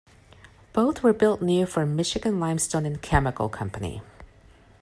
Both were built new for Michigan Limestone and Chemical Company.